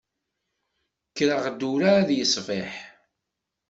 Kkreɣ-d ur εad yeṣbiḥ.